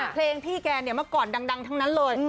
เพลงเพียงพี่แกมาก่อนดังทั้งนั้นเลย